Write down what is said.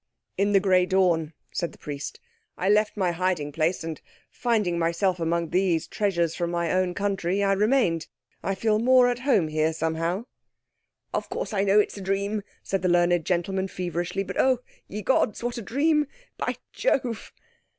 "In the grey dawn," said the Priest, "I left my hiding place, and finding myself among these treasures from my own country, I remained. I feel more at home here somehow." "Of course I know it's a dream," said the learned gentleman feverishly, "but, oh, ye gods! what a dream! By Jove!..."